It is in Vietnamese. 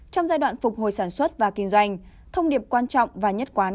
trong giai đoạn phục hồi sản xuất và kinh doanh thông điệp quan trọng và nhất quán